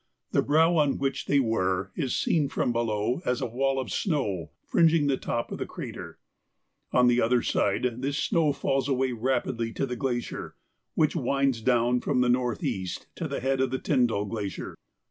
The brow on which they were is seen from below as a wall of snow fringing the top of the crater; on the other side this snow falls away rapidly to the glacier which winds down from the north east to the head of the Tyndall Glacier.